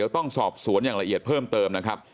ต้องสอบสวนอย่างละเอียดเพิ่มเติมนะครับ